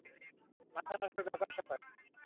মাথা নষ্ট ব্যাপারস্যাপার!